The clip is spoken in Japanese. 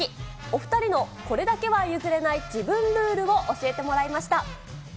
お２人のこれだけは譲れない自分ルールを教えてもらいました。